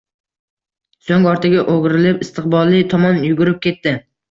So`ng ortiga o`girilib, istiqboli tomon yugurib ketdi